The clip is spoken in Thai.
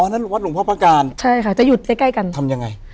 อ๋อนั่นวัดหลวงพ่อพระการทำยังไงใช่ค่ะจะหยุดใกล้กัน